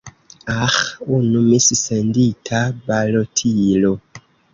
Aĥ, unu missendita balotilo.